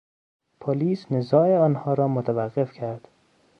پلیس نزاع آنها را متوقف کرد.